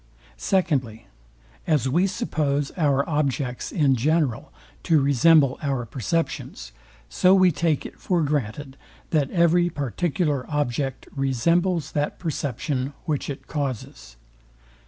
Secondly, As we suppose our objects in general to resemble our perceptions, so we take it for granted, that every particular object resembles that perception, which it causes.